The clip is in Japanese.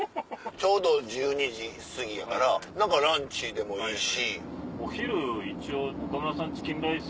ちょうど１２時過ぎやから何かランチでもいいし。